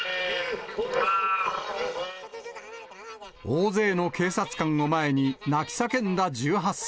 大勢の警察官を前に、泣き叫んだ１８歳。